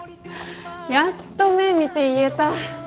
やっと目見て言えた。